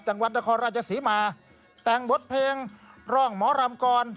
จังหวัดนครราชศรีมาแต่งบทเพลงร่องหมอรำกร